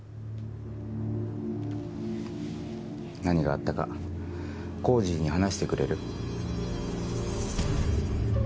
何があったかコージーに話してくれる？